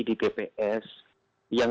di dps yang